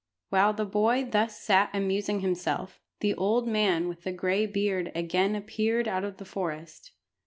While the boy thus sat amusing himself, the old man with the gray beard again appeared out of the forest.